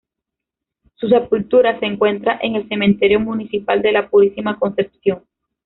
Su sepultura se encuentra en el Cementerio Municipal de la Purísima Concepción.